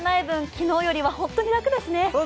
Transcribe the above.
昨日よりは本当に楽ですね。